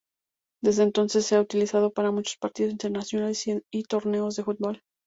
Desde entonces, se ha utilizado para muchos partidos internacionales y torneos de fútbol.